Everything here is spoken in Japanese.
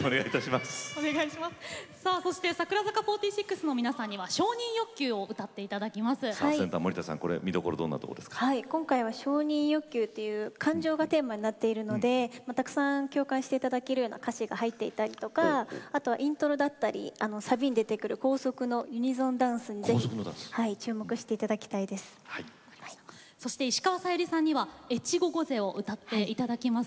そして櫻坂４６の皆さんには「承認欲求」を今回は「承認欲求」という感情がテーマになってるので共感していただけるようなか所があったりイントロだったりサビに出てくる高速のユニゾンダンスに石川さゆりさんには「越後瞽女」を歌っていただきます。